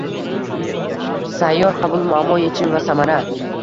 Sayyor qabul: muammo, yechim va samara